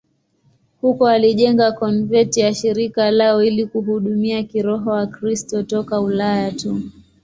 Huko walijenga konventi ya shirika lao ili kuhudumia kiroho Wakristo toka Ulaya tu.